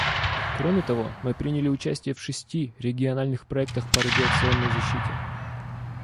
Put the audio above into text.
Кроме того, мы приняли участие в шести региональных проектах по радиационной защите.